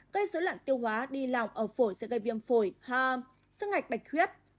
cây dưới lặn tiêu hóa đi lọc ở phổi sẽ gây viêm phổi ha sức ngạch bạch khuyết